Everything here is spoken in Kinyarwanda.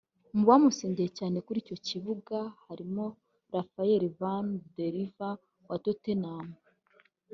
Mu bamusengeye cyane kuri icyo kibuga harimo Rafael van Der vaart wa Tottenham